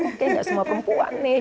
oke nggak semua perempuan nih